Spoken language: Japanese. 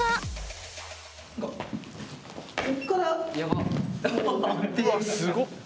うわっすごっ。